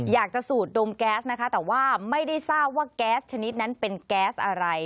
สูดดมแก๊สนะคะแต่ว่าไม่ได้ทราบว่าแก๊สชนิดนั้นเป็นแก๊สอะไร